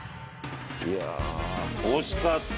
いや惜しかった。